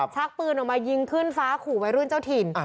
ชักปืนออกมายิงขึ้นฟ้าขู่วัยรุ่นเจ้าถิ่น